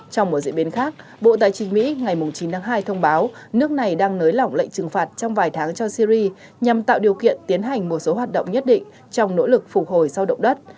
trong một diễn biến khác bộ tài chính mỹ ngày chín tháng hai thông báo nước này đang nới lỏng lệnh trừng phạt trong vài tháng cho syri nhằm tạo điều kiện tiến hành một số hoạt động nhất định trong nỗ lực phục hồi sau động đất